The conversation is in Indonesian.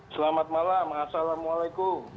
selamat malam assalamualaikum